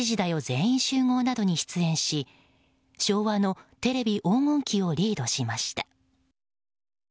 全員集合」などに出演し昭和のテレビ黄金期をリードしました。